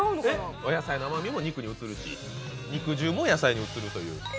お野菜のうまみも肉に移るし肉汁も野菜に移るという。